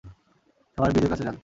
সবাই ব্রিজের কাছে যান!